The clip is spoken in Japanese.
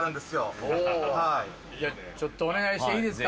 ちょっとお願いしていいですか？